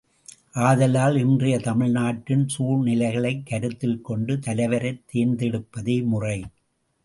ஆதலால் இன்றைய தமிழ்நாட்டின் சூழ்நிலைகளைக் கருத்தில் கொண்டு தலைவரைத் தேர்ந்தெடுப்பதே முறை.